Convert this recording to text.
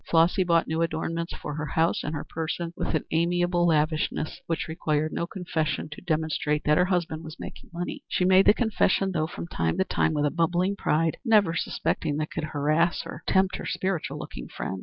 Flossy bought new adornments for her house and her person with an amiable lavishness which required no confession to demonstrate that her husband was making money. She made the confession, though, from time to time with a bubbling pride, never suspecting that it could harass or tempt her spiritual looking friend.